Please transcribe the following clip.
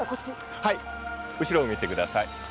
後ろを見てください。